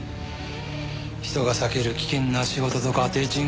人が避ける危険な仕事とか低賃金。